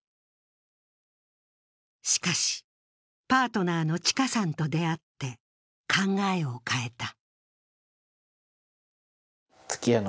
しかし、パートナーのちかさんと出会って、考えを変えた。